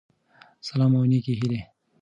سلام او نيکي هیلی